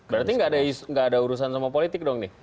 berarti nggak ada urusan sama politik dong nih